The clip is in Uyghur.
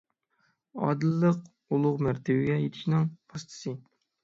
ئادىللىق – ئۇلۇغ مەرتىۋىگە يېتىشنىڭ ۋاسىتىسى.